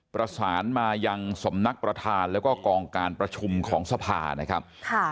ประสานมายังสำนักประธานแล้วก็กองการประชุมของสภานะครับ